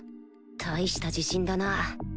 大した自信だな